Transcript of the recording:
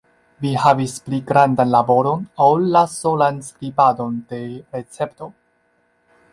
Vi havis pli grandan laboron, ol la solan skribadon de recepto.